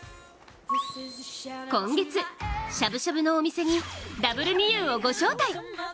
今月、しゃぶしゃぶのお店にＷみゆうをご招待。